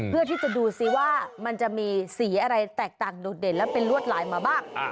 เพื่อดูว่ามันจะมีสีอะไรแดกต่างหนุ่มเด่นและลวดหลายมาบ้าง